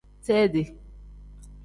Sedi.